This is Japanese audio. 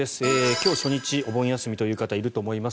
今日初日お盆休みという方いると思います。